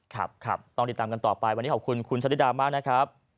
ครับครับต้องติดตามกันต่อไปวันนี้ขอบคุณคุณชะลิดามากนะครับ